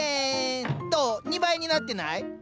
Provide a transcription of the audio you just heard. ２倍になってない？